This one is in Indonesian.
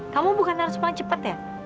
kamu bukan harus main cepat ya